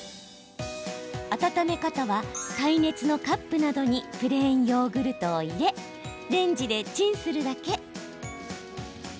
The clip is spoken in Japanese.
温め方は、耐熱のカップなどにプレーンヨーグルトを入れレンジでチンするだけ。